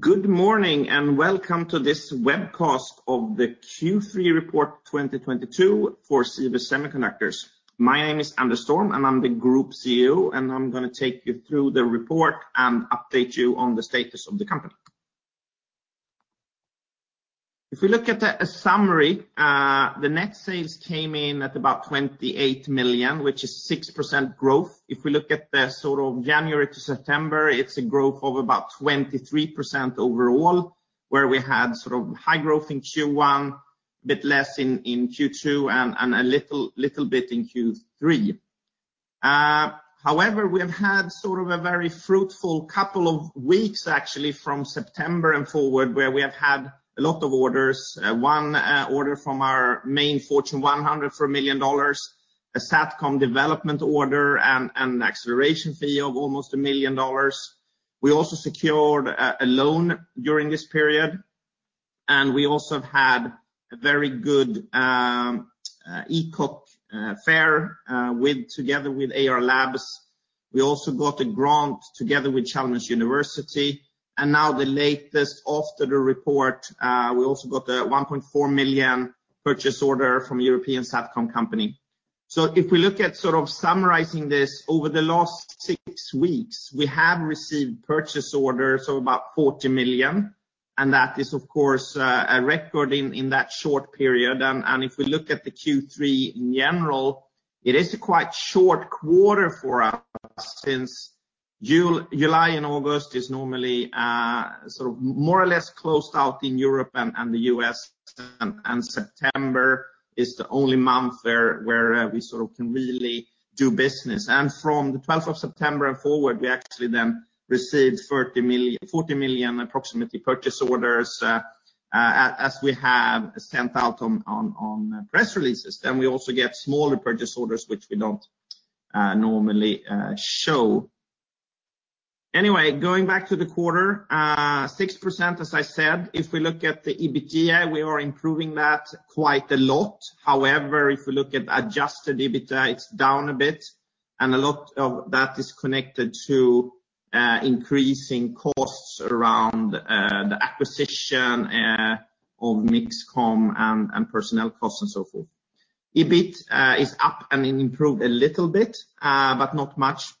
Good morning and welcome to this webcast of the Q3 report 2022 for Sivers Semiconductors. My name is Anders Storm, and I'm the group CEO, and I'm gonna take you through the report and update you on the status of the company. If we look at the summary, the net sales came in at about 28 million, which is 6% growth. If we look at the sort of January to September, it's a growth of about 23% overall, where we had sort of high growth in Q1, a bit less in Q2, and a little bit in Q3. However, we have had sort of a very fruitful couple of weeks, actually, from September and forward, where we have had a lot of orders. One order from our main Fortune 100 for $1 million, a SATCOM development order, and an acceleration fee of almost $1 million. We also secured a loan during this period, and we also had a very good ECOC fair together with Ayar Labs. We also got a grant together with Chalmers University. Now the latest after the report, we also got a 1.4 million purchase order from European SATCOM company. If we look at sort of summarizing this, over the last six weeks, we have received purchase orders of about 40 million, and that is of course a record in that short period. If we look at the Q3 in general, it is a quite short quarter for us since July and August is normally sort of more or less closed out in Europe and the U.S., and September is the only month where we sort of can really do business. From the September 12 and forward, we actually then received 40 million approximately purchase orders, as we have sent out on press releases. Then we also get smaller purchase orders which we don't normally show. Anyway, going back to the quarter, 6%, as I said. If we look at the EBITDA, we are improving that quite a lot. However, if you look at adjusted EBITDA, it's down a bit, and a lot of that is connected to increasing costs around the acquisition of MixComm and personnel costs and so forth. EBIT is up and improved a little bit, but not much.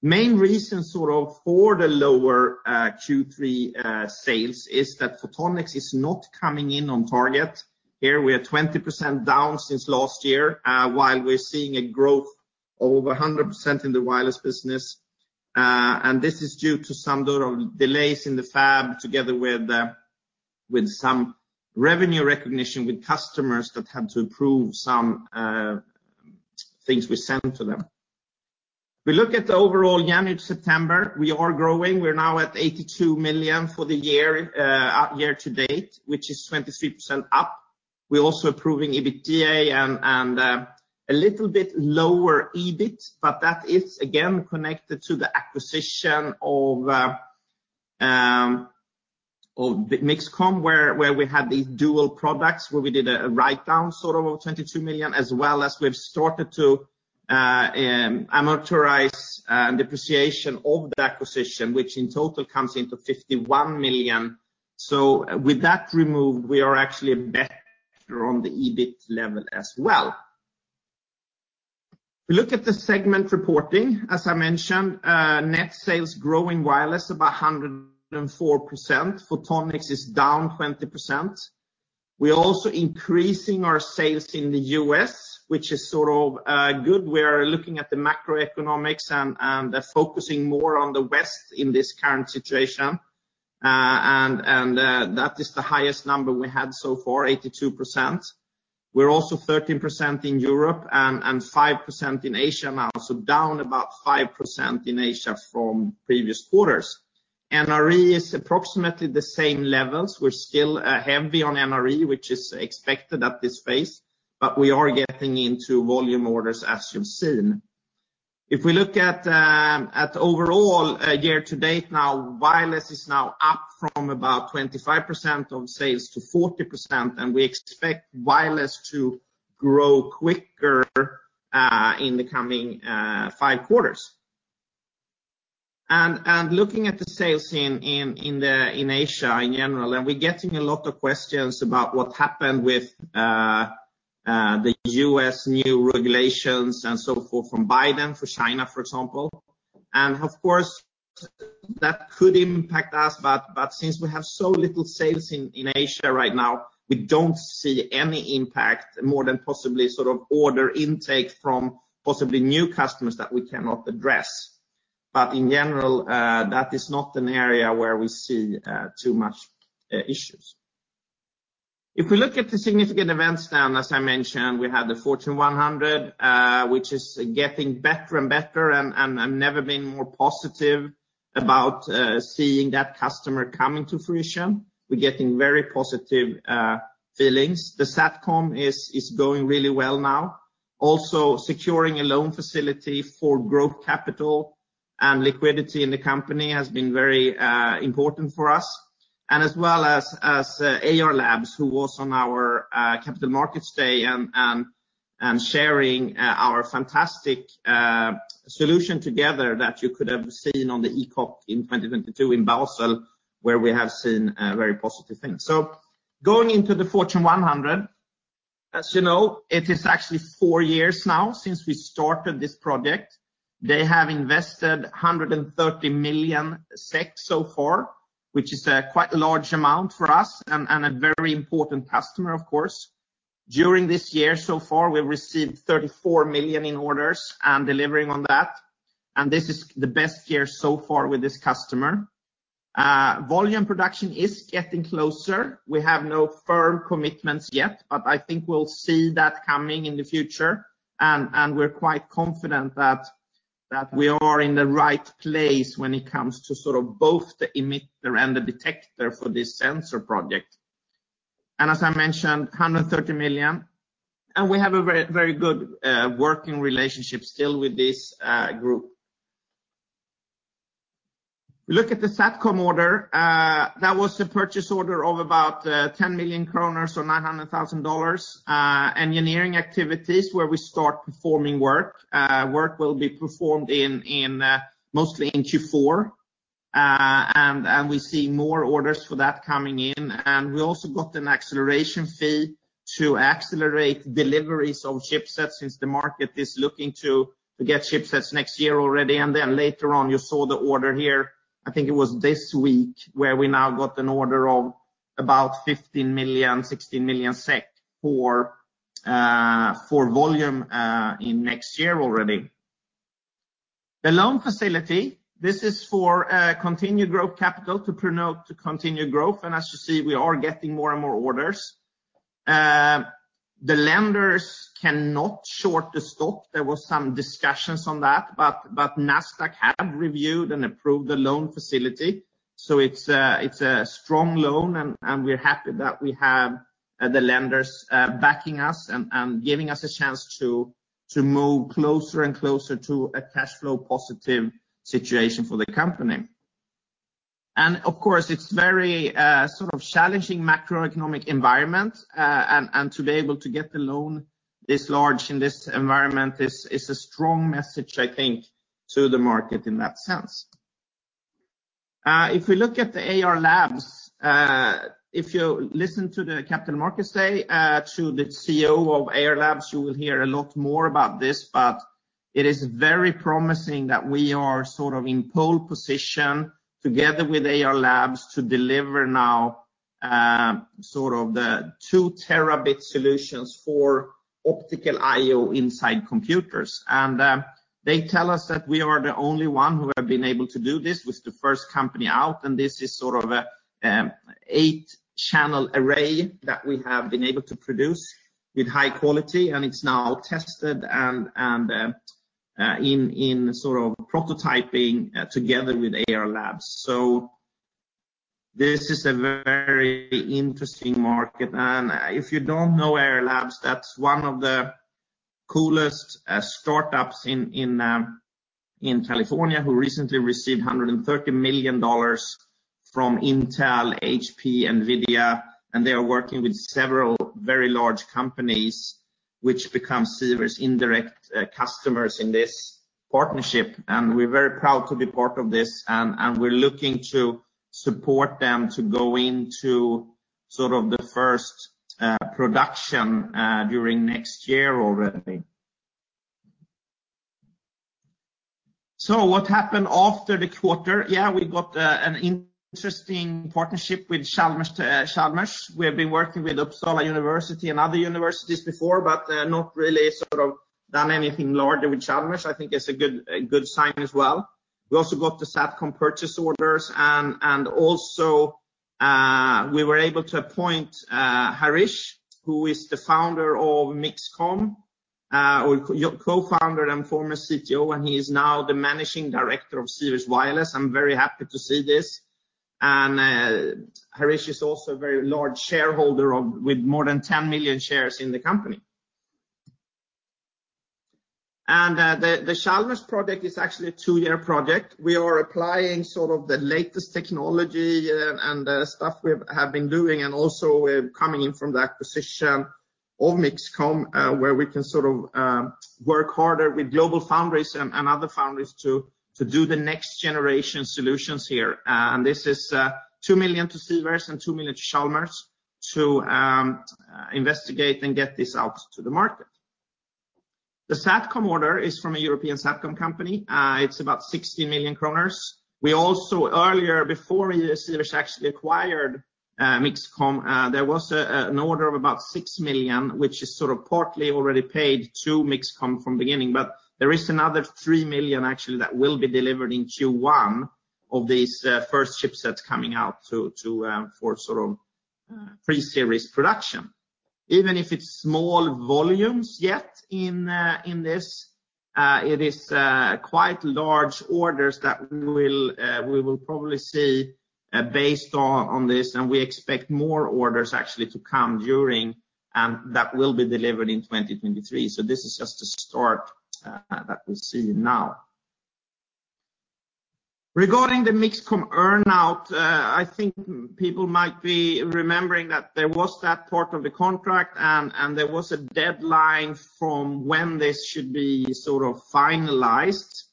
Main reason sort of for the lower Q3 sales is that Photonics is not coming in on target. Here we are 20% down since last year, while we're seeing a growth over 100% in the wireless business. This is due to some sort of delays in the fab together with some revenue recognition with customers that had to approve some things we send to them. If we look at the overall January to September, we are growing. We're now at 82 million for the year to date, which is 23% up. We're also improving EBITDA and a little bit lower EBIT, but that is again connected to the acquisition of MixComm, where we had these dual products, where we did a write-down, sort of 22 million, as well as we've started to amortize depreciation of the acquisition, which in total comes into 51 million. With that removed, we are actually better on the EBIT level as well. If we look at the segment reporting, as I mentioned, net sales grow in wireless about 104%. Photonics is down 20%. We are also increasing our sales in the U.S., which is sort of good. We are looking at the macroeconomics and focusing more on the West in this current situation. That is the highest number we had so far, 82%. We're also 13% in Europe and 5% in Asia now, so down about 5% in Asia from previous quarters. NRE is approximately the same levels. We're still heavy on NRE, which is expected at this phase, but we are getting into volume orders as you've seen. If we look at overall year to date now, wireless is now up from about 25% of sales to 40%, and we expect wireless to grow quicker in the coming 5 quarters. Looking at the sales in Asia in general, we're getting a lot of questions about what happened with the U.S. new regulations and so forth from Biden for China, for example. Of course, that could impact us, but since we have so little sales in Asia right now, we don't see any impact more than possibly sort of order intake from possibly new customers that we cannot address. In general, that is not an area where we see too much issues. If we look at the significant events, as I mentioned, we had the Fortune 100, which is getting better and better, and I've never been more positive about seeing that customer coming to fruition. We're getting very positive feelings. The SATCOM is going really well now. Also, securing a loan facility for growth capital and liquidity in the company has been very important for us. As well as Ayar Labs, who was on our Capital Markets Day and sharing our fantastic solution together that you could have seen on the ECOC in 2022 in Basel, where we have seen a very positive thing. Going into the Fortune 100, as you know, it is actually four years now since we started this project. They have invested 130 million SEK so far, which is quite a large amount for us and a very important customer, of course. During this year so far, we've received 34 million in orders and delivering on that. This is the best year so far with this customer. Volume production is getting closer. We have no firm commitments yet, but I think we'll see that coming in the future. We're quite confident that we are in the right place when it comes to sort of both the emitter and the detector for this sensor project. As I mentioned, 130 million. We have a very, very good working relationship still with this group. Look at the SATCOM order. That was a purchase order of about 10 million kronor or $900,000, engineering activities where we start performing work. Work will be performed mostly in Q4. We see more orders for that coming in. We also got an acceleration fee to accelerate deliveries of chipsets since the market is looking to get chipsets next year already. Later on, you saw the order here. I think it was this week, where we now got an order of about 15 million, 16 million SEK for volume in next year already. The loan facility, this is for continued growth capital to promote, to continue growth. As you see, we are getting more and more orders. The lenders cannot short the stock. There was some discussions on that, but Nasdaq have reviewed and approved the loan facility. It's a strong loan, and we're happy that we have the lenders backing us and giving us a chance to move closer and closer to a cash flow positive situation for the company. Of course, it's very, sort of challenging macroeconomic environment, and to be able to get the loan this large in this environment is a strong message, I think, to the market in that sense. If we look at the Ayar Labs, if you listen to the Capital Markets Day, to the CEO of Ayar Labs, you will hear a lot more about this. But it is very promising that we are sort of in pole position together with Ayar Labs to deliver now, sort of the 2-terabit solutions for optical I/O inside computers. They tell us that we are the only one who have been able to do this. We're the first company out, and this is sort of a eight-channel array that we have been able to produce with high quality, and it's now tested and in sort of prototyping together with Ayar Labs. This is a very interesting market. If you don't know Ayar Labs, that's one of the coolest startups in California who recently received $130 million from Intel, HP, NVIDIA. They are working with several very large companies which become Sivers indirect customers in this partnership. We're very proud to be part of this, and we're looking to support them to go into sort of the first production during next year already. What happened after the quarter? Yeah, we got an interesting partnership with Chalmers. We have been working with Uppsala University and other universities before, but not really sort of done anything large with Chalmers. I think it's a good sign as well. We also got the SATCOM purchase orders, and we were able to appoint Harish, who is the founder of MixComm, or co-founder and former CTO, and he is now the managing director of Sivers Wireless. I'm very happy to see this. Harish is also a very large shareholder with more than 10 million shares in the company. The Chalmers project is actually a two-year project. We are applying sort of the latest technology and stuff we have been doing and also coming in from the acquisition of MixComm, where we can sort of work harder with GlobalFoundries and other foundries to do the next generation solutions here. This is 2 million to Sivers and 2 million to Chalmers to investigate and get this out to the market. The SATCOM order is from a European SATCOM company. It's about 60 million kronor. We also earlier, before Sivers actually acquired MixComm, there was an order of about 6 million, which is sort of partly already paid to MixComm from beginning. There is another 3 million actually that will be delivered in Q1 of these first chipsets coming out to for sort of pre-series production. Even if it's small volumes yet in this, it is quite large orders that we will probably see based on this. We expect more orders actually to come during and that will be delivered in 2023. This is just a start that we see now. Regarding the MixComm earn-out, I think people might be remembering that there was that part of the contract and there was a deadline from when this should be sort of finalized.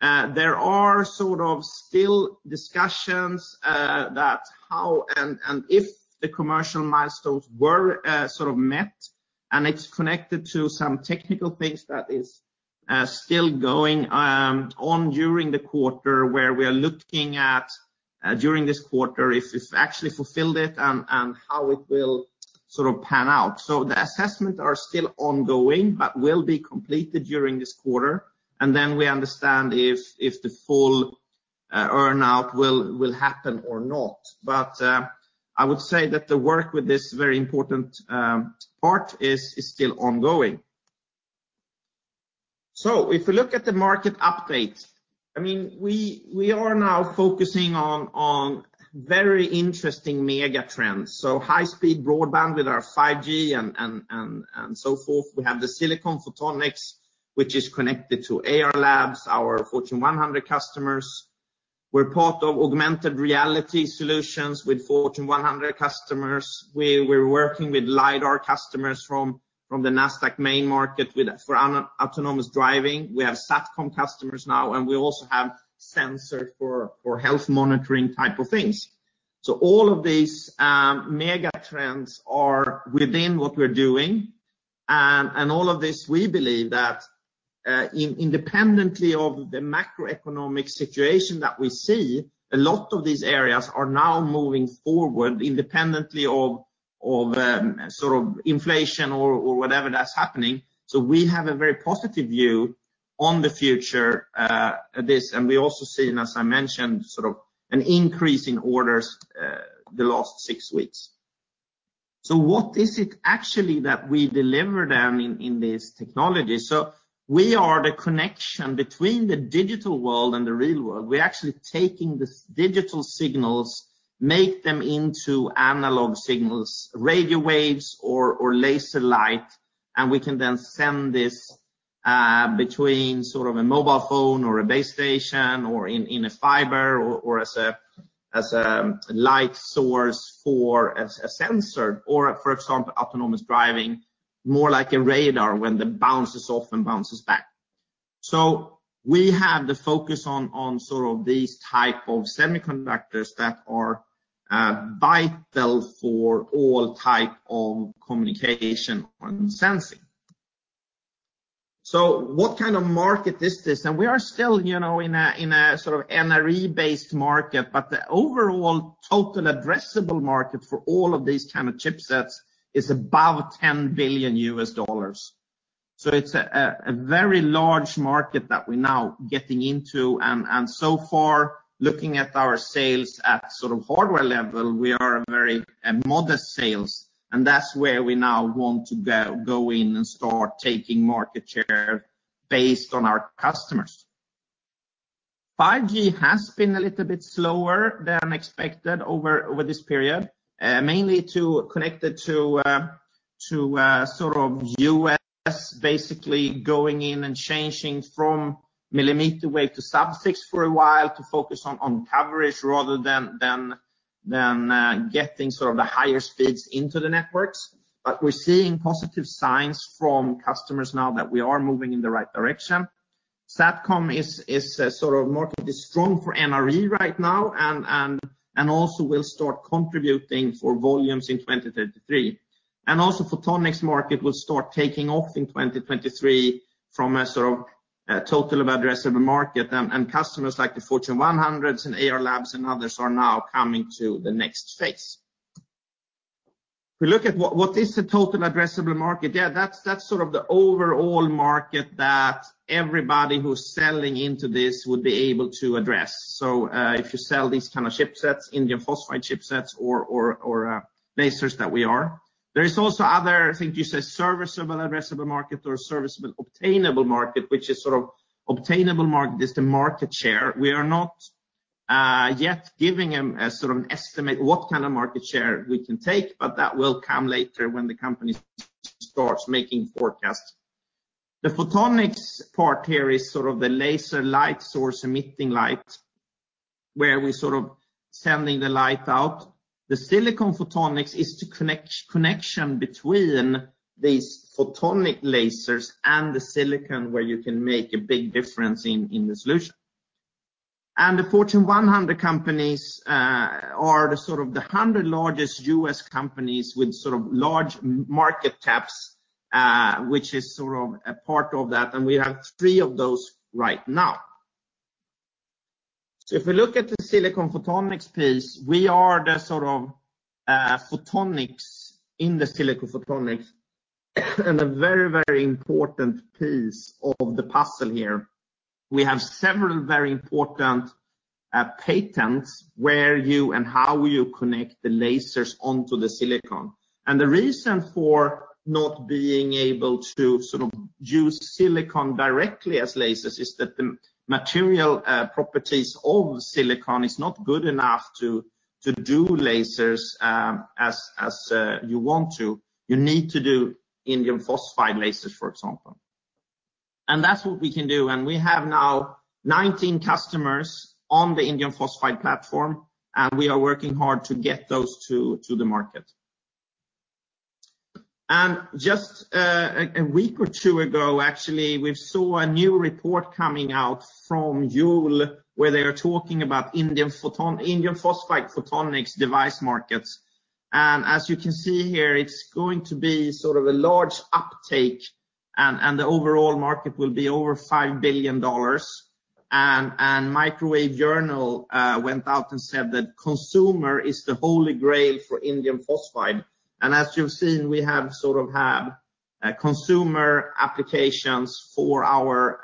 There are sort of still discussions that how and if the commercial milestones were sort of met and it's connected to some technical things that is still going on during the quarter where we are looking at during this quarter if actually fulfilled it and how it will sort of pan out. The assessment are still ongoing but will be completed during this quarter. Then we understand if the full earn-out will happen or not. I would say that the work with this very important part is still ongoing. If you look at the market update, I mean, we are now focusing on very interesting mega trends. High speed broadband with our 5G and so forth. We have the silicon photonics, which is connected to Ayar Labs, our Fortune 100 customers. We're part of augmented reality solutions with Fortune 100 customers. We're working with LiDAR customers from the Nasdaq main market for autonomous driving. We have SATCOM customers now, and we also have sensors for health monitoring type of things. All of these mega trends are within what we're doing. All of this, we believe that independently of the macroeconomic situation that we see, a lot of these areas are now moving forward independently of sort of inflation or whatever that's happening. We have a very positive view on the future, this. We also seen, as I mentioned, sort of an increase in orders the last six weeks. What is it actually that we deliver then in this technology? We are the connection between the digital world and the real world. We're actually taking the digital signals, make them into analog signals, radio waves or laser light. We can then send this between sort of a mobile phone or a base station or in a fiber, or as a light source for a sensor, or for example, autonomous driving, more like a radar when the bounces off and bounces back. We have the focus on sort of these type of semiconductors that are vital for all type of communication and sensing. What kind of market is this? We are still, you know, in a sort of NRE based market. The overall total addressable market for all of these kind of chipsets is about $10 billion. It's a very large market that we're now getting into. So far, looking at our sales at sort of hardware level, we are a very modest sales. That's where we now want to go in and start taking market share based on our customers. 5G has been a little bit slower than expected over this period, mainly the US basically going in and changing from millimeter wave to sub-6 for a while to focus on coverage rather than getting sort of the higher speeds into the networks. We're seeing positive signs from customers now that we are moving in the right direction. SATCOM is sort of market is strong for NRE right now and also will start contributing for volumes in 2033. Photonics market will start taking off in 2023 from a sort of total addressable market. Customers like the Fortune 100 and Ayar Labs and others are now coming to the next phase. If we look at what is the total addressable market? Yeah, that's sort of the overall market that everybody who's selling into this would be able to address. So, if you sell these kind of chipsets, indium phosphide chipsets or lasers that we are. There is also other, I think you say serviceable addressable market or serviceable obtainable market, which is sort of obtainable market is the market share. We are not yet giving them a sort of an estimate what kind of market share we can take, but that will come later when the company starts making forecasts. The photonics part here is sort of the laser light source emitting light, where we sort of sending the light out. The silicon photonics is to connect connection between these photonic lasers and the silicon, where you can make a big difference in the solution. The Fortune 100 companies are the sort of the hundred largest U.S. companies with sort of large market caps, which is sort of a part of that. We have three of those right now. If we look at the silicon photonics piece, we are the sort of photonics in the silicon photonics and a very, very important piece of the puzzle here. We have several very important patents where you and how you connect the lasers onto the silicon. The reason for not being able to sort of use silicon directly as lasers is that the material properties of silicon is not good enough to do lasers, as you want to, you need to do indium phosphide lasers, for example. That's what we can do. We have now 19 customers on the indium phosphide platform, and we are working hard to get those to the market. Just a week or two ago, actually, we saw a new report coming out from Yole, where they are talking about indium phosphide photonics device markets. As you can see here, it's going to be sort of a large uptake, and the overall market will be over $5 billion. Microwave Journal went out and said that consumer is the Holy Grail for indium phosphide. As you've seen, we have sort of had consumer applications for our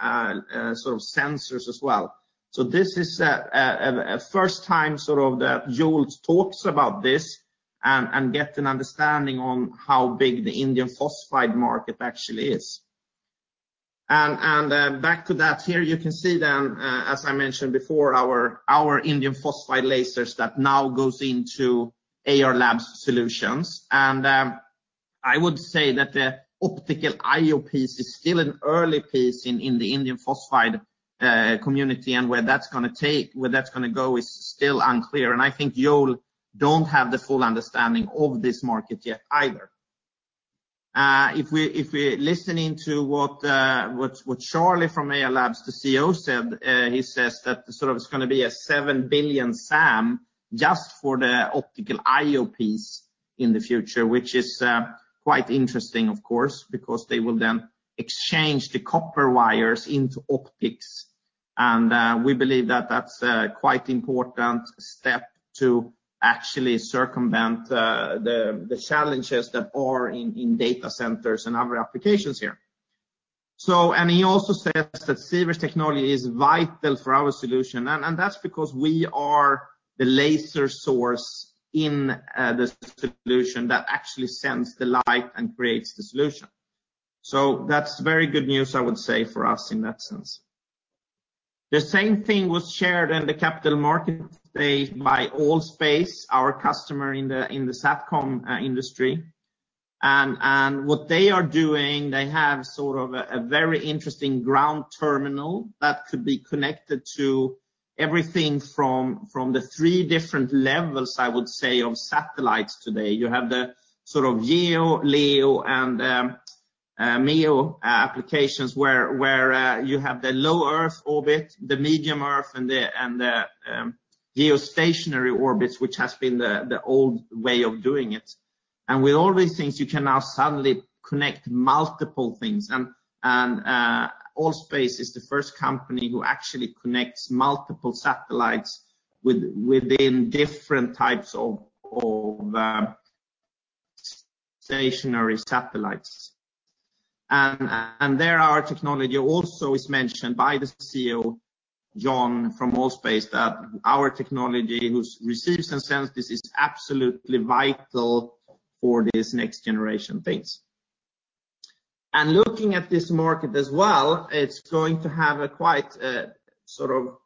sort of sensors as well. This is a first time sort of that Yole talks about this and get an understanding on how big the indium phosphide market actually is. Back to that here, you can see then, as I mentioned before, our indium phosphide lasers that now goes into Ayar Labs solutions. I would say that the optical I/O piece is still an early piece in the indium phosphide community. Where that's gonna go is still unclear. I think Yole don't have the full understanding of this market yet either. If we're listening to what Charlie from Ayar Labs, the CEO, said, he says that sort of it's gonna be a $7 billion SAM just for the optical I/O piece in the future, which is quite interesting, of course, because they will then exchange the copper wires into optics. We believe that that's a quite important step to actually circumvent the challenges that are in data centers and other applications here. He also says that Sivers' technology is vital for our solution. That's because we are the laser source in this solution that actually sends the light and creates the solution. That's very good news, I would say, for us in that sense. The same thing was shared in the capital Market Day by All.Space, our customer in the SATCOM industry. What they are doing, they have sort of a very interesting ground terminal that could be connected to everything from the three different levels, I would say, of satellites today. You have the sort of GEO, LEO, and MEO applications where you have the low Earth orbit, the medium Earth, and the geostationary orbit, which has been the old way of doing it. With all these things, you can now suddenly connect multiple things. All.Space is the first company who actually connects multiple satellites within different types of geostationary satellites. There our technology also is mentioned by the CEO, John from All.Space, that our technology who receives and sends this is absolutely vital for these next generation things. Looking at this market as well, it's going to have a quite, sort of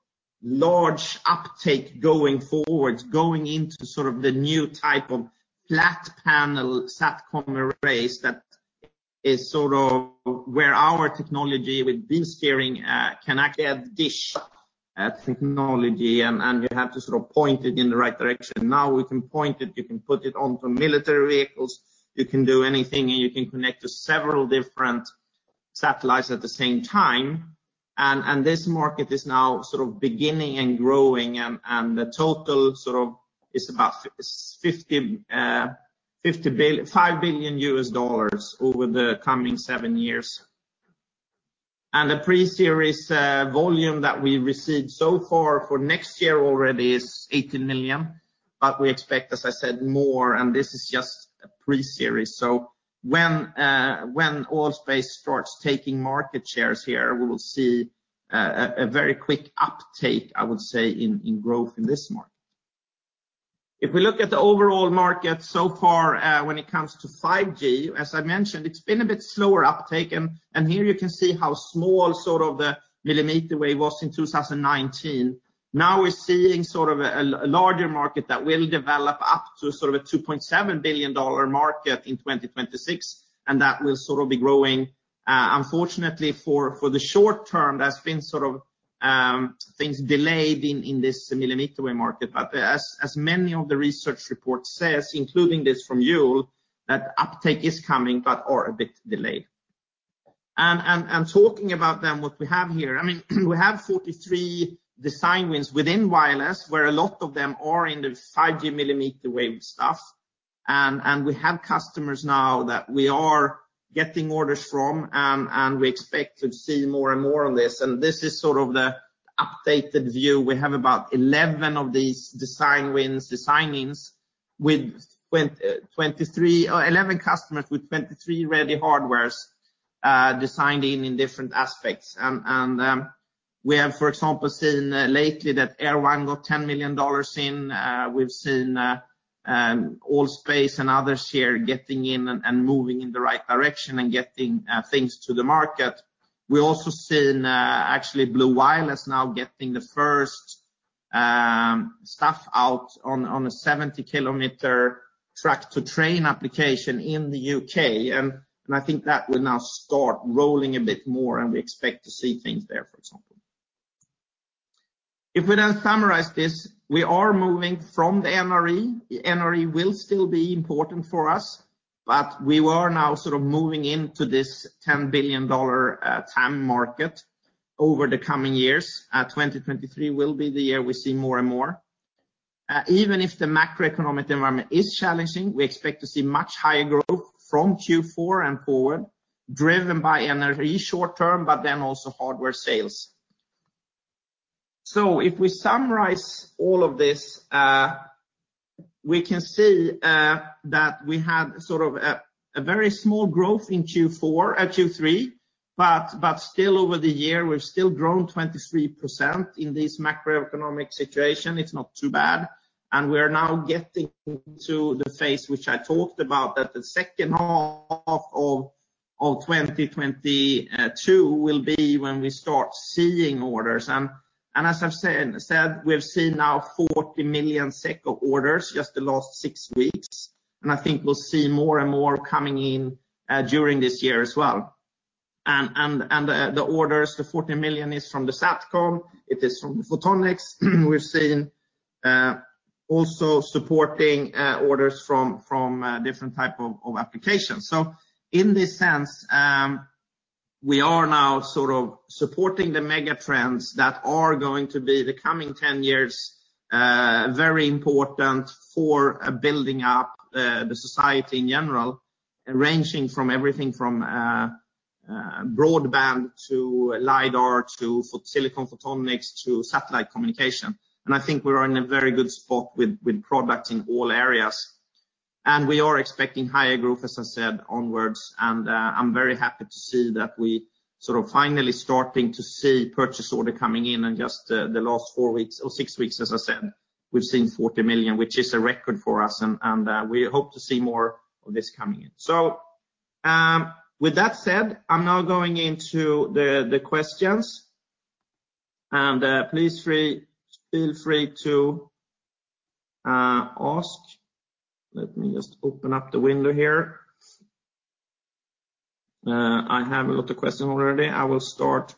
large uptake going forward, going into sort of the new type of flat panel SATCOM arrays. That is sort of where our technology with beam steering can actually add to dish technology, and we have to sort of point it in the right direction. Now we can point it, you can put it onto military vehicles, you can do anything, and you can connect to several different satellites at the same time. This market is now sort of beginning and growing, and the total sort of is about $5 billion over the coming seven years. The pre-series volume that we received so far for next year already is $80 million. We expect, as I said, more, and this is just a pre-series. When All.Space starts taking market shares here, we will see a very quick uptake, I would say, in growth in this market. If we look at the overall market so far, when it comes to 5G, as I mentioned, it's been a bit slower uptake. Here you can see how small sort of the millimeter wave was in 2019. Now we're seeing sort of a larger market that will develop up to sort of a $2.7 billion market in 2026, and that will sort of be growing. Unfortunately for the short term, there's been sort of things delayed in this millimeter wave market. As many of the research reports says, including this from Yole, that uptake is coming but are a bit delayed. Talking about then what we have here, I mean, we have 43 design wins within wireless, where a lot of them are in the 5G millimeter wave stuff. We have customers now that we are getting orders from, and we expect to see more and more on this. This is sort of the updated view. We have about 11 of these design wins, design-ins with 23, 11 customers with 23 ready hardwares, designed in different aspects. We have, for example, seen lately that Airspan got $10 million in. We've seen All.Space and others here getting in and moving in the right direction and getting things to the market. We've also seen actually Blue Wireless now getting the first stuff out on a 70-kilometer truck-to-train application in the UK. I think that will now start rolling a bit more, and we expect to see things there, for example. If we now summarize this, we are moving from the NRE. The NRE will still be important for us, but we are now sort of moving into this $10 billion TAM market over the coming years. 2023 will be the year we see more and more. Even if the macroeconomic environment is challenging, we expect to see much higher growth from Q4 and forward, driven by NRE short term, but then also hardware sales. If we summarize all of this, we can see that we had sort of a very small growth in Q3. But still over the year, we've still grown 23% in this macroeconomic situation. It's not too bad. We're now getting to the phase which I talked about, that the second half of 2022 will be when we start seeing orders. As I've said, we've seen now 40 million orders just the last six weeks. I think we'll see more and more coming in during this year as well. The orders, the 40 million is from the SATCOM, it is from the Photonics. We've seen also supporting orders from different type of applications. In this sense, we are now sort of supporting the mega trends that are going to be the coming 10 years, very important for building up the society in general, ranging from everything from broadband to LiDAR to silicon photonics to satellite communication. I think we're in a very good spot with products in all areas. We are expecting higher growth, as I said, onwards. I'm very happy to see that we sort of finally starting to see purchase order coming in in just the last 4 weeks or 6 weeks, as I said. We've seen 40 million, which is a record for us, and we hope to see more of this coming in. With that said, I'm now going into the questions. Please feel free to ask. Let me just open up the window here. I have a lot of questions already. I will start.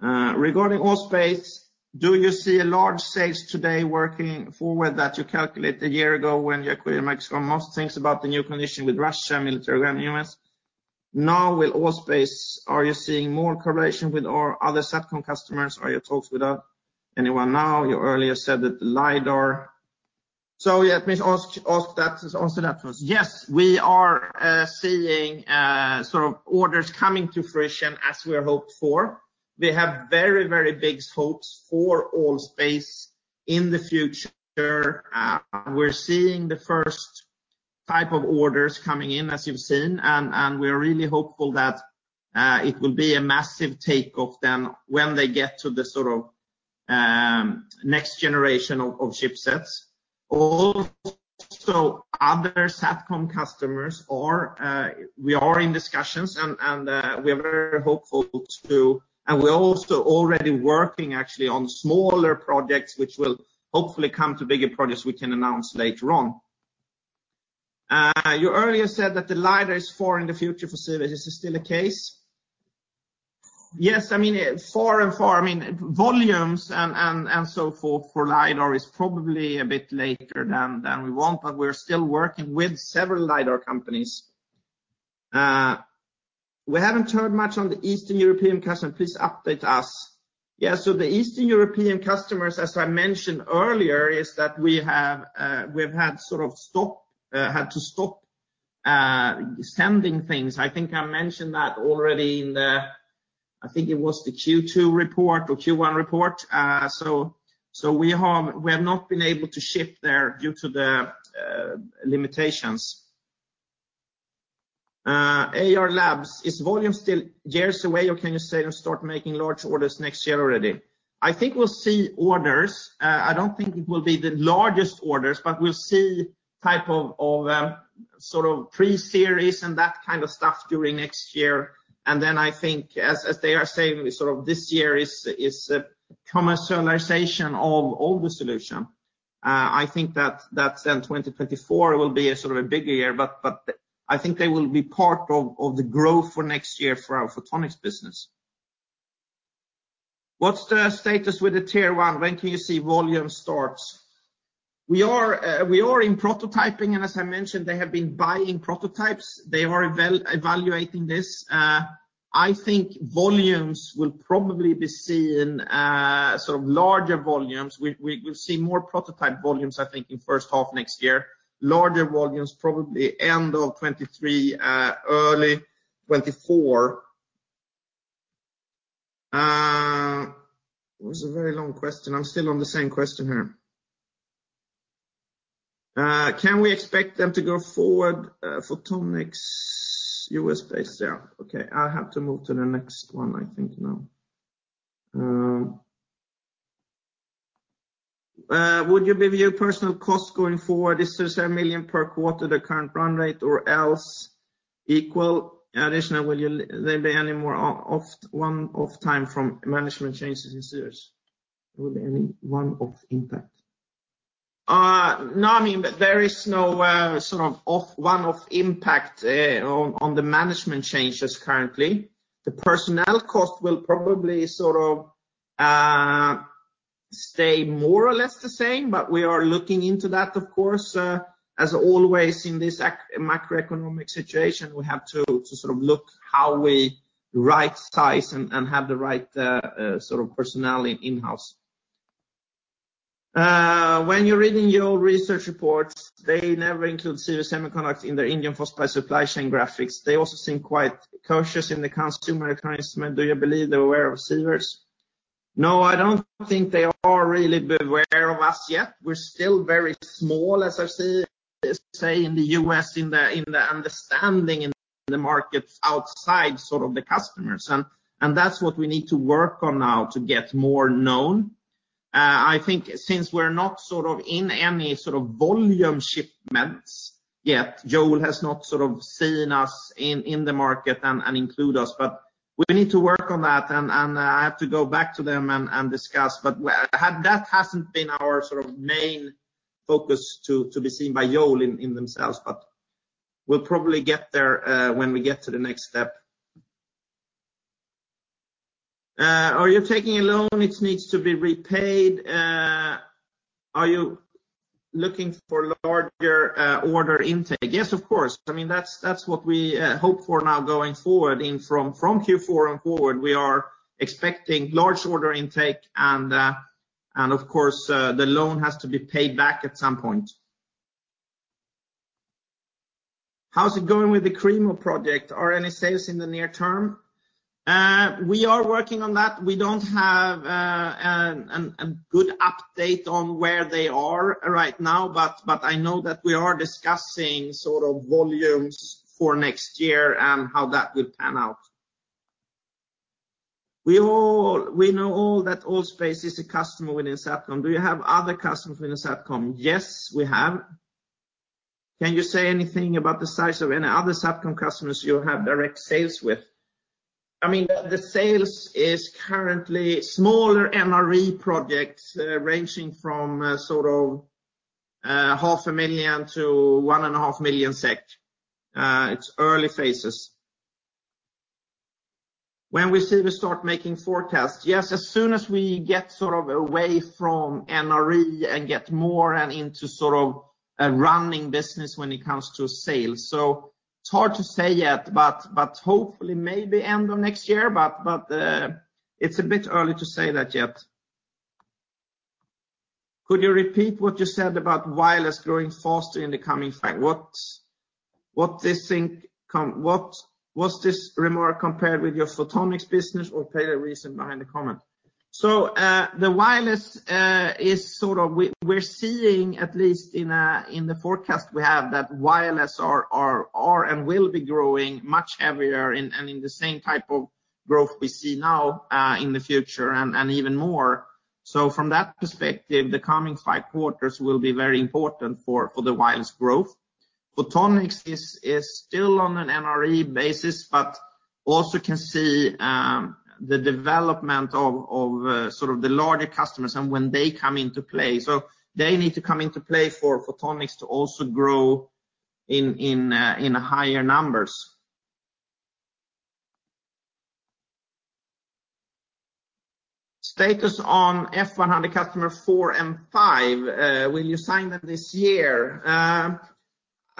Regarding All.Space, do you see large sales going forward that you calculated a year ago when you acquired MixComm? Most things about the new condition with Russia, military and US. Now with All.Space, are you seeing more correlation with our other SATCOM customers? Are you in talks with anyone now? You earlier said that the LiDAR... Please ask that, answer that first. Yes, we are seeing sort of orders coming to fruition as we had hoped for. We have very, very big hopes for All.Space in the future. We're seeing the first type of orders coming in, as you've seen, and we are really hopeful that it will be a massive take of them when they get to the sort of next generation of chipsets. Also, other SATCOM customers, we are in discussions and we are very hopeful to. We're also already working actually on smaller projects which will hopefully come to bigger projects we can announce later on. You earlier said that the LiDAR is far in the future for Sivers. Is this still the case? Yes. I mean, far, far, I mean, volumes and so forth for LiDAR is probably a bit later than we want, but we're still working with several LiDAR companies. We haven't heard much on the Eastern European customer. Please update us. The Eastern European customers, as I mentioned earlier, is that we have, we've had sort of stop, had to stop sending things. I think I mentioned that already in the, I think it was the Q2 report or Q1 report. We have not been able to ship there due to the limitations. Ayar Labs, is volume still years away, or can you say you start making large orders next year already? I think we'll see orders. I don't think it will be the largest orders, but we'll see type of, sort of pre-series and that kind of stuff during next year. I think as they are saying, sort of this year is commercialization of all the solution. I think that then 2024 will be a sort of a bigger year, but I think they will be part of the growth for next year for our Photonics business. What's the status with the Tier 1? When can you see volume starts? We are in prototyping and as I mentioned, they have been buying prototypes. They are evaluating this. I think volumes will probably be seen, sort of larger volumes. We will see more prototype volumes, I think in first half next year. Larger volumes, probably end of 2023, early 2024. It was a very long question. I'm still on the same question here. Can we expect them to go forward, Photonics U.S.-based? Yeah. Okay. I have to move to the next one, I think now. Would you give your personnel cost going forward? Is this 1 million per quarter, the current run rate or less equal additional? Will there be any more one-off items from management changes in Sivers? Will there be any one-off impact? No, I mean, there is no sort of one-off impact on the management changes currently. The personnel cost will probably sort of stay more or less the same, but we are looking into that of course, as always in this macroeconomic situation, we have to sort of look how we right-size and have the right sort of personnel in-house. When you're reading your research reports, they never include Sivers Semiconductors in their indium phosphide supply chain graphics. They also seem quite cautious in the consumer encouragement. Do you believe they're aware of Sivers? No, I don't think they are really aware of us yet. We're still very small, as I say in the U.S., in the understanding in the markets outside sort of the customers. That's what we need to work on now to get more known. I think since we're not sort of in any sort of volume shipments yet, Yole has not sort of seen us in the market and include us. We need to work on that and I have to go back to them and discuss. That hasn't been our sort of main focus to be seen by Yole in themselves. We'll probably get there when we get to the next step. Are you taking a loan which needs to be repaid? Are you looking for larger order intake? Yes, of course. I mean, that's what we hope for now going forward. From Q4 and forward, we are expecting large order intake and of course the loan has to be paid back at some point. How's it going with the KREEMO project? Are any sales in the near term? We are working on that. We don't have good update on where they are right now, but I know that we are discussing sort of volumes for next year and how that will pan out. We know all that All.Space is a customer within SATCOM. Do you have other customers within SATCOM? Yes, we have. Can you say anything about the size of any other SATCOM customers you have direct sales with? I mean, the sales is currently smaller NRE projects, ranging from sort of half a million to 1.5 million SEK. It's early phases. When we see we start making forecasts? Yes, as soon as we get sort of away from NRE and get more and into sort of a running business when it comes to sales. It's hard to say yet, but it's a bit early to saythat yet. Could you repeat what you said about wireless growing faster in the coming five? What was this remark compared with your Photonics business, or tell the reason behind the comment? The wireless is sort of we're seeing at least in the forecast we have that wireless are and will be growing much heavier and in the same type of growth we see now in the future and even more. From that perspective, the coming five quarters will be very important for the wireless growth. Photonics is still on an NRE basis, but also can see the development of sort of the larger customers and when they come into play. They need to come into play for Photonics to also grow in higher numbers. Status on Fortune 100 customer four and five, will you sign them this year?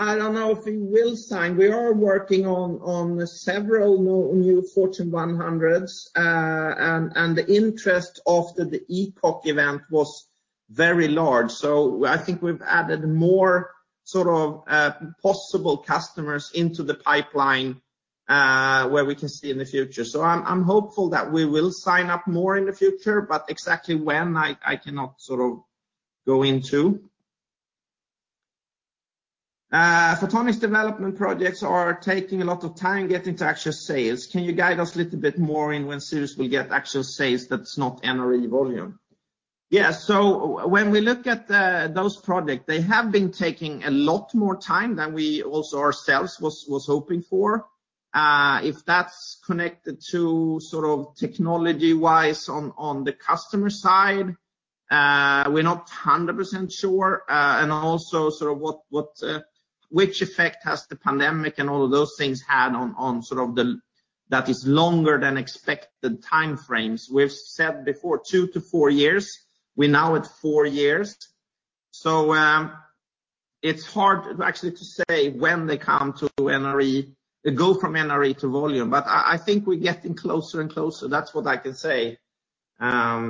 I don't know if we will sign. We are working on several new Fortune 100s. The interest after the ECOC event was very large. I think we've added more sort of possible customers into the pipeline where we can see in the future. I'm hopeful that we will sign up more in the future. Exactly when I cannot sort of go into. Photonics development projects are taking a lot of time getting to actual sales. Can you guide us a little bit more in when Sivers will get actual sales that's not NRE volume? Yeah, when we look at those projects, they have been taking a lot more time than we also ourselves was hoping for. If that's connected to sort of technology-wise on the customer side, we're not 100% sure. What effect has the pandemic and all of those things had on longer than expected time frames. We've said before 2-4 years. We're now at 4 years. It's hard actually to say when they come to NRE, go from NRE to volume. I think we're getting closer and closer. That's what I can say. Have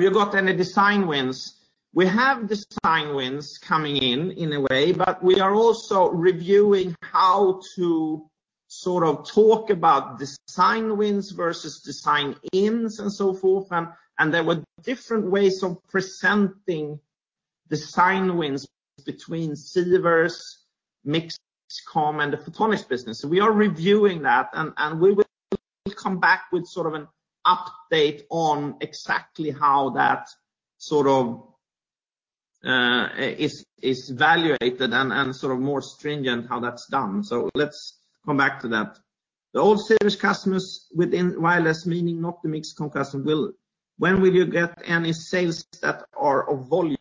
you got any design wins? We have design wins coming in a way, but we are also reviewing how to sort of talk about design wins versus design ins and so forth. There were different ways of presenting design wins between Sivers, MixComm and the Photonics business. We are reviewing that and we will come back with sort of an update on exactly how that sort of is evaluated and sort of more stringent how that's done. Let's come back to that. The old Sivers customers within wireless, meaning not the MixComm customers, when will you get any sales that are of volume?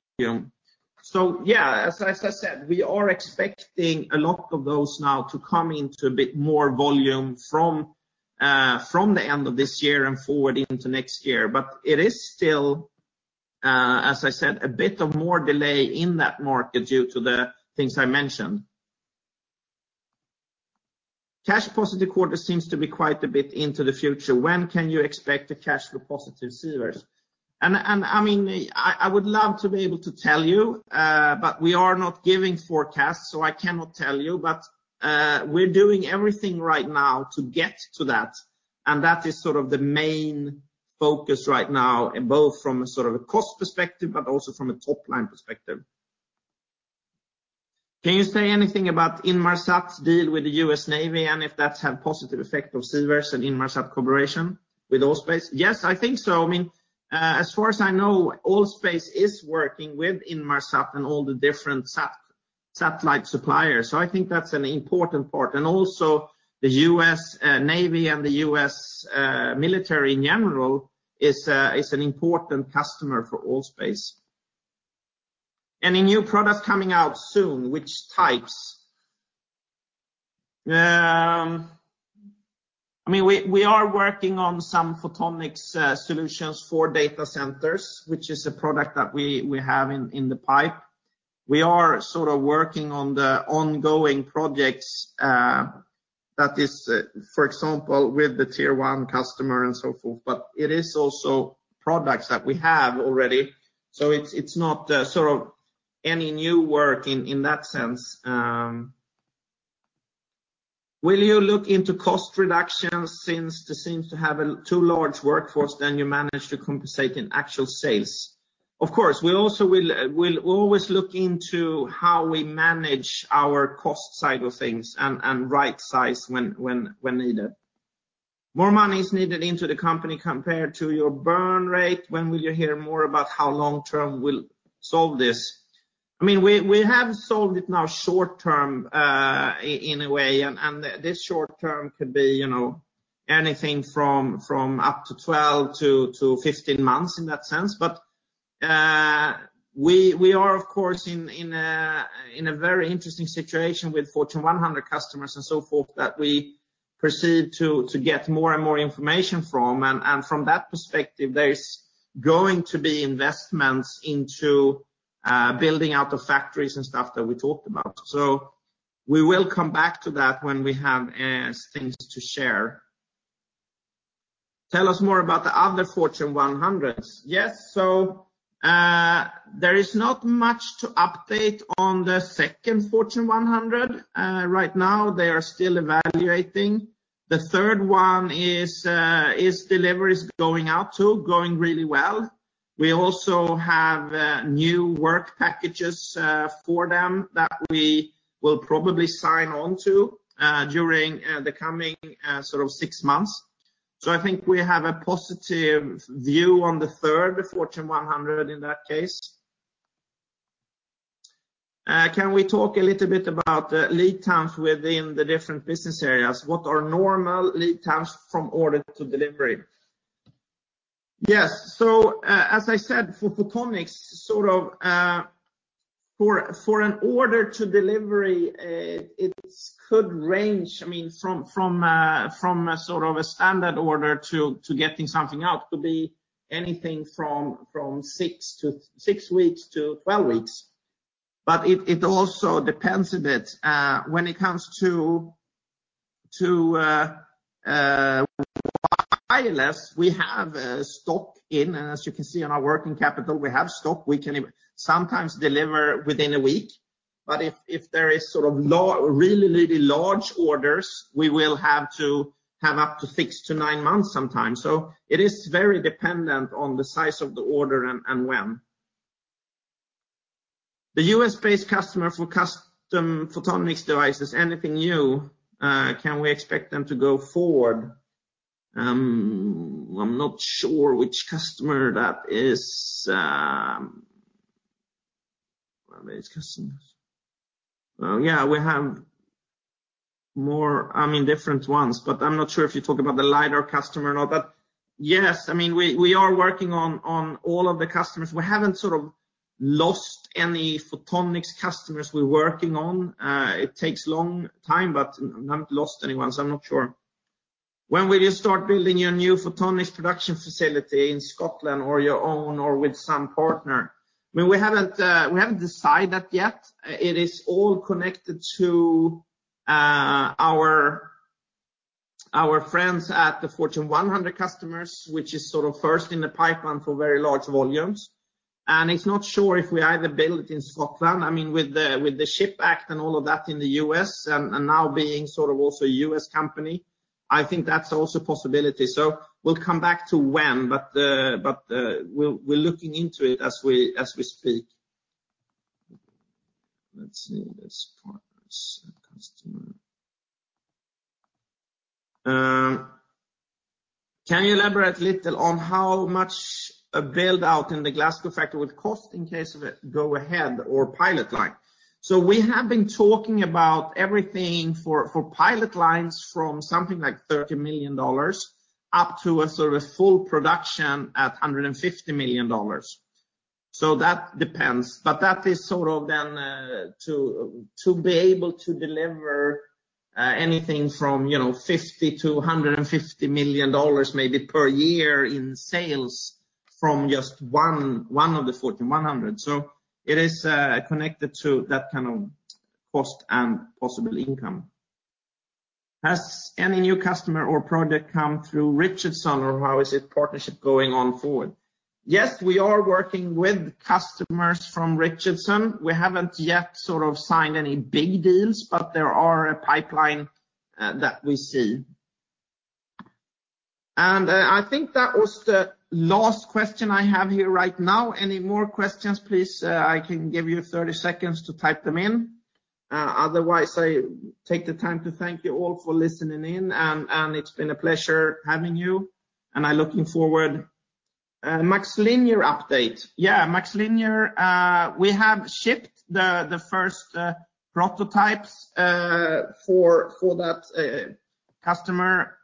Yeah, as I said, we are expecting a lot of those now to come into a bit more volume from the end of this year and forward into next year. But it is still, as I said, a bit of more delay in that market due to the things I mentioned. cash-flow-positive quarter seems to be quite a bit into the future. When can you expect a cash-flow-positive Sivers Semiconductors? I mean, I would love to be able to tell you, but we are not giving forecasts, so I cannot tell you. We're doing everything right now to get to that, and that is sort of the main focus right now, both from a sort of a cost perspective, but also from a top-line perspective. Can you say anything about Inmarsat's deal with the U.S. Navy and if that's had positive effect of Sivers and Inmarsat cooperation with All.Space? Yes, I think so. I mean, as far as I know, All.Space is working with Inmarsat and all the different satellite suppliers. I think that's an important part. Also the U.S. Navy and the U.S. military in general is an important customer for All.Space. Any new products coming out soon, which types? I mean, we are working on some Photonics solutions for data centers, which is a product that we have in the pipe. We are sort of working on the ongoing projects that is, for example, with the Tier 1 customer and so forth. It is also products that we have already. It's not sort of any new work in that sense. Will you look into cost reductions since this seems to have a too large workforce than you manage to compensate in actual sales? Of course. We also will always look into how we manage our cost side of things and right-size when needed. More money is needed into the company compared to your burn rate. When will you hear more about how long-term we'll solve this? I mean, we have solved it now short term in a way, and this short term could be, you know, anything from up to 12–15 months in that sense. We are of course in a very interesting situation with Fortune 100 customers and so forth that we proceed to get more and more information from. From that perspective, there is going to be investments into building out the factories and stuff that we talked about. We will come back to that when we have things to share. Tell us more about the other Fortune 100s. Yes. There is not much to update on the second Fortune 100. Right now, they are still evaluating. The third one is deliveries going out to going really well. We also have new work packages for them that we will probably sign on to during the coming sort of six months. I think we have a positive view on the third Fortune 100 in that case. Can we talk a little bit about lead times within the different business areas? What are normal lead times from order to delivery? Yes. As I said, for Photonics, sort of, for an order to delivery, it could range, I mean, from a sort of a standard order to getting something out, could be anything from 6 weeks to 12 weeks. It also depends a bit when it comes to wireless. We have stock in, as you can see on our working capital, we have stock we can sometimes deliver within a week. If there is sort of really large orders, we will have to have up to 6-9 months sometimes. It is very dependent on the size of the order and when. The U.S.-based customer for custom Photonics devices, anything new? Can we expect them to go forward? I am not sure which customer that is. Where are these customers? Yeah, we have more, I mean, different ones, but I am not sure if you are talking about the LiDAR customer or not. Yes, I mean, we are working on all of the customers. We haven't sort of lost any Photonics customers we're working on. It takes long time, but I've not lost anyone, so I'm not sure. When will you start building your new Photonics production facility in Scotland or your own or with some partner? I mean, we haven't decided that yet. It is all connected to our friends at the Fortune 100 customers, which is sort of first in the pipeline for very large volumes. It's not sure if we either build in Scotland, I mean, with the CHIPS Act and all of that in the US, and now being sort of also a US company. I think that's also a possibility. We'll come back to when, but we're looking into it as we speak. Let's see. Partners and customer. Can you elaborate little on how much a build-out in the Glasgow factory would cost in case of a go-ahead or pilot line? We have been talking about everything for pilot lines from something like $30 million up to a sort of full production at $150 million. That depends. That is sort of then to be able to deliver anything from, you know, $50 million-$150 million maybe per year in sales from just one of the 4,100. It is connected to that kind of cost and possible income. Has any new customer or project come through Richardson or how is its partnership going forward? Yes, we are working with customers from Richardson. We haven't yet sort of signed any big deals, but there's a pipeline that we see. I think that was the last question I have here right now. Any more questions, please, I can give you 30 seconds to type them in. Otherwise I take the time to thank you all for listening in, and it's been a pleasure having you and I'm looking forward. MaxLinear update. Yeah, MaxLinear, we have shipped the first prototypes for that customer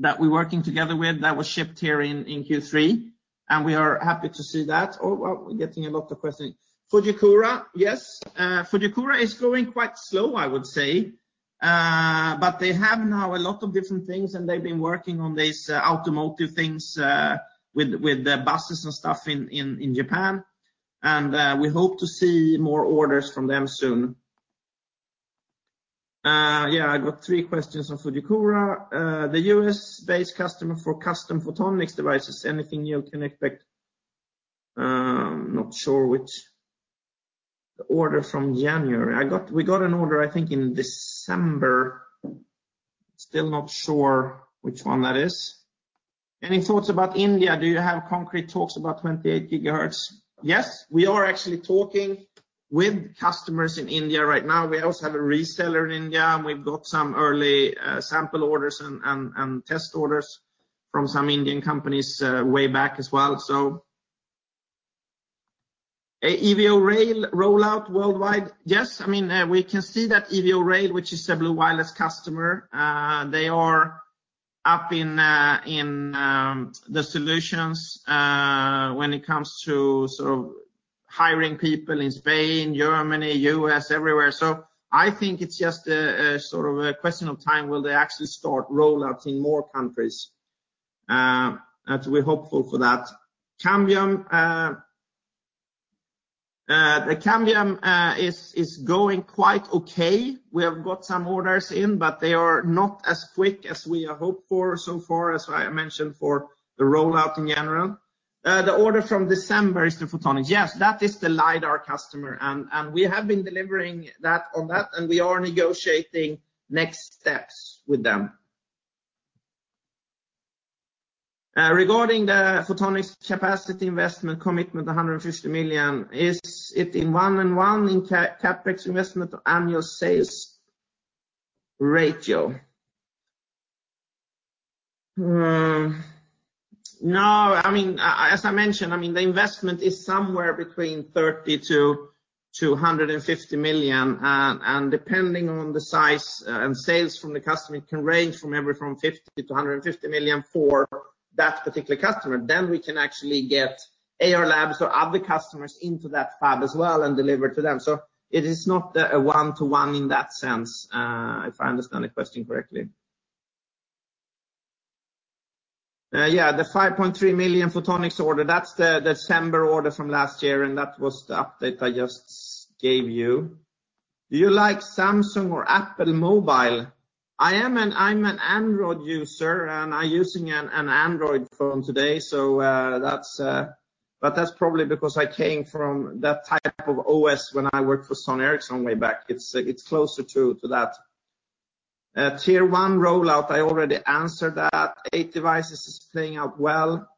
that we're working together with that was shipped here in Q3, and we are happy to see that. Oh, well, we're getting a lot of questions. Fujikura. Yes. Fujikura is growing quite slow, I would say. They have now a lot of different things, and they've been working on these automotive things, with the buses and stuff in Japan. We hope to see more orders from them soon. Yeah, I got three questions on Fujikura, the U.S.-based customer for custom photonics devices. Anything you can expect? Not sure which order from January. We got an order, I think, in December. Still not sure which one that is. Any thoughts about India? Do you have concrete talks about 28 GHz? Yes, we are actually talking with customers in India right now. We also have a reseller in India, and we've got some early sample orders and test orders from some Indian companies way back as well, so. Evo-rail rollout worldwide. Yes. I mean, we can see thatEvo-rail, which is a Blue Wireless customer, they are up in the solutions when it comes to sort of hiring people in Spain, Germany, U.S., everywhere. I think it's just a sort of question of time, will they actually start rollouts in more countries? We're hopeful for that. Cambium Networks is going quite okay. We have got some orders in, but they are not as quick as we have hoped for so far, as I mentioned, for the rollout in general. The order from December is the Photonics. Yes. That is the LiDAR customer. We have been delivering on that, and we are negotiating next steps with them. Regarding the photonics capacity investment commitment, 150 million, is it a one-to-one CapEx investment annual sales ratio? No. I mean, as I mentioned, the investment is somewhere between 30 million–250 million. And depending on the size and sales from the customer, it can range from 50 million to 150 million for that particular customer. We can actually get Ayar Labs or other customers into that fab as well and deliver to them. It is not a one-to-one in that sense, if I understand the question correctly. Yeah, the 5.3 million photonics order, that's the December order from last year, and that was the update I just gave you. Do you like Samsung or Apple Mobile? I am an... I'm an Android user, and I'm using an Android phone today. That's probably because I came from that type of OS when I worked for Sony Ericsson way back. It's closer to that. Tier 1 rollout, I already answered that. 8devices is playing out well.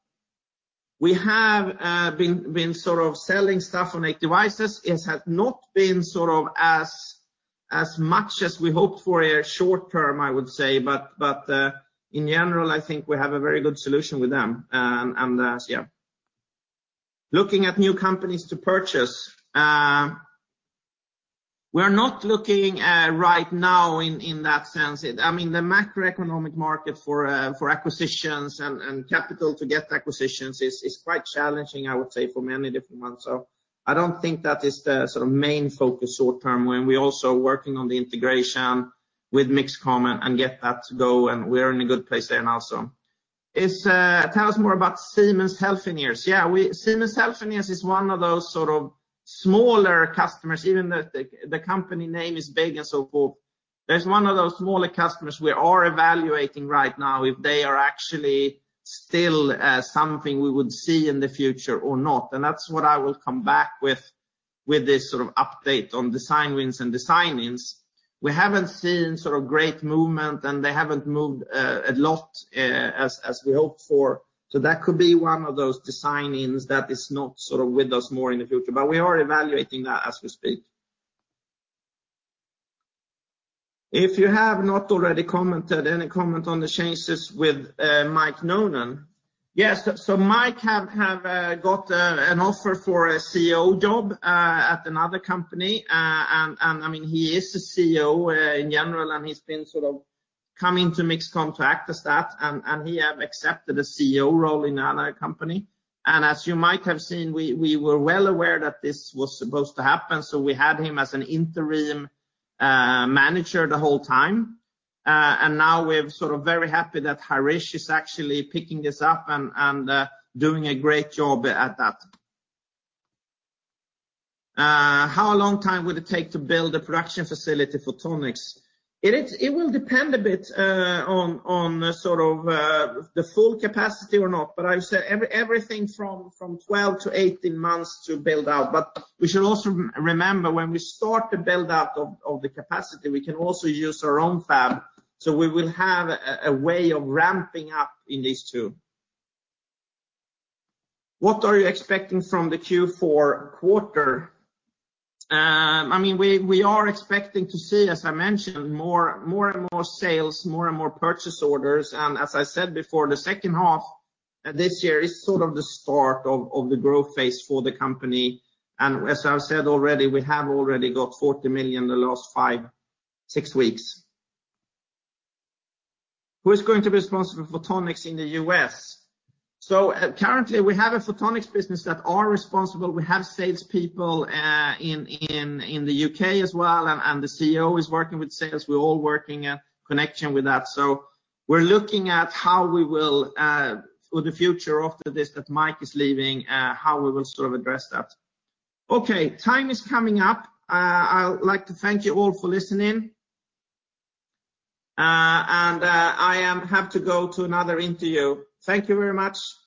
We have been sort of selling stuff on 8devices. It has not been sort of as much as we hoped for a short term, I would say. In general, I think we have a very good solution with them. Looking at new companies to purchase. We're not looking right now in that sense. I mean, the macroeconomic market for acquisitions and capital to get acquisitions is quite challenging, I would say, for many different ones. I don't think that is the sort of main focus short term when we're also working on the integration with MixComm and get that to go, and we're in a good place there now. Tell us more about Siemens Healthineers. Yeah, Siemens Healthineers is one of those sort of smaller customers, even the company name is big and so forth. It is one of those smaller customers we are evaluating right now if they are actually still something we would see in the future or not. That's what I will come back with this sort of update on design wins and design-ins. We haven't seen sort of great movement, and they haven't moved a lot as we hoped for. That could be one of those design-ins that is not sort of with us more in the future, but we are evaluating that as we speak. If you have not already commented, any comment on the changes with Mike Nolan? Yes. Mike has got an offer for a CEO job at another company. I mean, he is a CEO in general, and he's been sort of coming to MixComm as that, and he has accepted a CEO role in another company. As you might have seen, we were well aware that this was supposed to happen, so we had him as an interim manager the whole time. Now we're sort of very happy that Harish is actually picking this up and doing a great job at that. How long would it take to build a production facility Photonics? It will depend a bit on sort of the full capacity or not, but I would say everything from 12–18 months to build out. We should also remember, when we start the build-out of the capacity, we can also use our own fab, so we will have a way of ramping up in these two. What are you expecting from the Q4 quarter? I mean, we are expecting to see, as I mentioned, more and more sales, more and more purchase orders. As I said before, the second half this year is sort of the start of the growth phase for the company. As I've said already, we have already got 40 million in the last five, six weeks. Who is going to be responsible for Photonics in the U.S.? Currently, we have a Photonics business that are responsible. We have sales people in the U.K. as well, and the CEO is working with sales. We're all working in connection with that. We're looking at how we will, for the future after this, that Mike is leaving, how we will sort of address that. Okay, time is coming up. I would like to thank you all for listening. I have to go to another interview. Thank you very much.